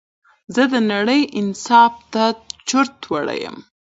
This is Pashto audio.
زه د نړۍ انصاف ته چورت وړى يمه